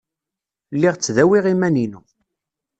Lliɣ ttdawiɣ iman-inu.